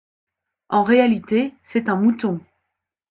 En réalité, c'est un mouton.